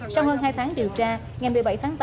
sau hơn hai tháng điều tra ngày một mươi bảy tháng tám